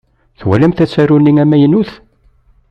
Twalamt asaru-nni amaynut?